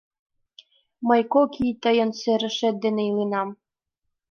Мый кок ий тыйын серышет дене иленам.